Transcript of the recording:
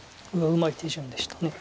うまい手順でした。